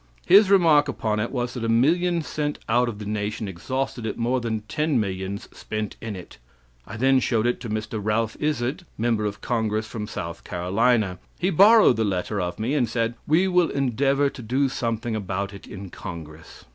His remark upon it was that a million sent out of the nation exhausted it more than ten millions spent in it. I then showed it to Mr. Ralph Izard, member of congress from South Carolina. He borrowed the letter of me and said: 'We will endeavor to do something about it in congress.'